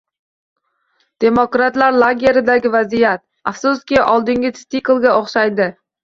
Demokratlar lageridagi vaziyat, afsuski, oldingi tsiklga o'xshaydi